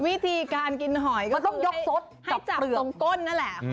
วิธีการกินหอยก็ต้องยกสดจากตรงก้นนั่นแหละ